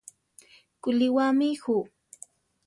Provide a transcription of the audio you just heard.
¿Kulíwami ju?